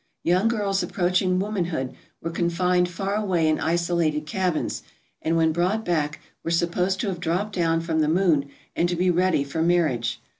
Young girls approaching womanhood were confined far away in isolated cabins, and when brought back were supposed to have dropped down from the moon and to be ready for marriage.